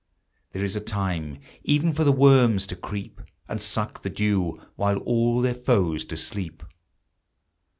There is a time even for the worms to creep. And suck the dew while all their foes do sleep.